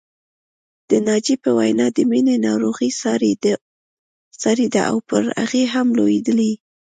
د ناجيې په وینا د مینې ناروغي ساري ده او پر هغې هم لوېدلې